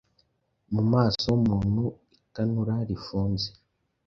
Mu maso h'umuntu itanura rifunze